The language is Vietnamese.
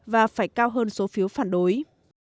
và phải cao hơn số phiếu phản đối